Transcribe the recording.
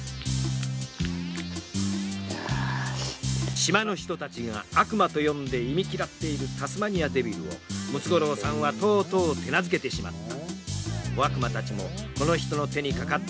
島の人たちが悪魔と呼んで忌み嫌っているタスマニアデビルをムツゴロウさんはとうとう手なずけてしまった。